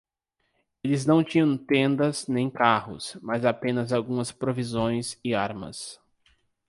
Eles não tinham tendas nem carros, mas apenas algumas provisões e armas.